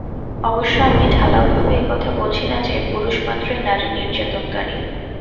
অবশ্য আমি ঢালাওভাবে এ কথা বলছি না যে, পুরুষমাত্রই নারী নির্যাতনকারী।